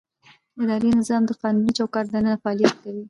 اداري نظام د قانوني چوکاټ دننه فعالیت کوي.